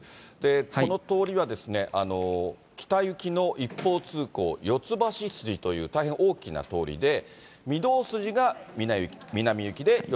この通りは、北行きの一方通行、よつばし筋という大変大きな通りで、御堂筋が南行きで、よ